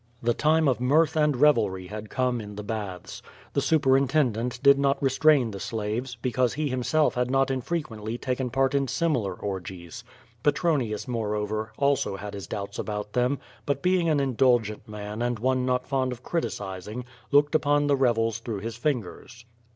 The time of mirth and revelry had come in the hatha The superintendent did not restrain the slaves, because he himself had not infrequently taken part in similar orgies. Petronius^ moreover^ also had his doubts about them, but QUO VADIS, 15 being an indulgent man and one not fond of criticising, looked upon the revels through his fingers.